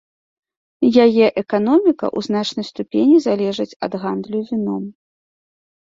Яе эканоміка ў значнай ступені залежыць ад гандлю віном.